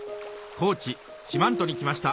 高知四万十に来ました